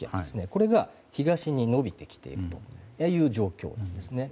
これが東に延びてきているという状況ですね。